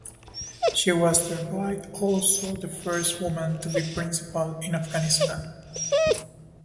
She was thereby also the first woman to be principal in Afghanistan.